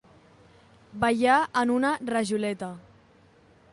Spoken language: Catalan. Ballar en una rajoleta.